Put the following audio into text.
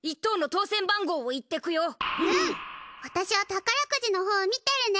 わたしは宝くじのほう見てるね。